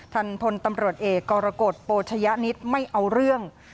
ท่านพลตำรวจเอกกรกฎโปชยะนิตไม่เอาเรื่อง